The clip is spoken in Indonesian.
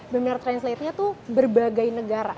benar benar translatenya tuh berbagai negara